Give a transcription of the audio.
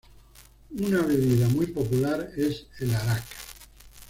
Una bebida muy popular es el "arak".